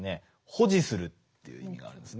保持するという意味があるんですね。